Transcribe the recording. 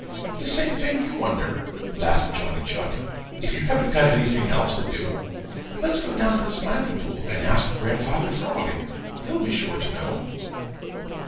"The same thing you wonder," laughed Johnny Chuck. "If you haven't got anything else to do, let's go down to the Smiling Pool and ask Grandfather Frog; he'll be sure to know."